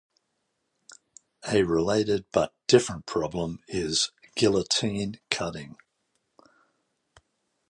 A related but different problem is "guillotine cutting".